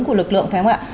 của lực lượng phải không ạ